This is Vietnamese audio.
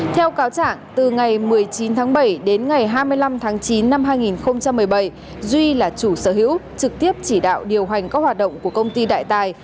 theo cáo trạng từ ngày một mươi chín tháng bảy đến ngày hai mươi năm tháng chín năm hai nghìn một mươi bảy duy là chủ sở hữu trực tiếp chỉ đạo điều hành các hoạt động của công ty đại tài